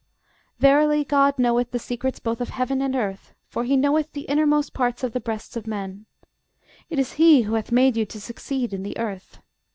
Verily GOD knoweth the secrets both of heaven and earth, for he knoweth the innermost parts of the breasts of men. It is he who hath made you to succeed in the earth.